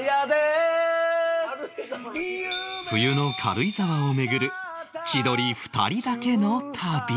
冬の軽井沢を巡る千鳥２人だけの旅